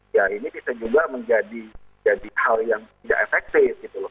ya ini bisa juga menjadi hal yang tidak efektif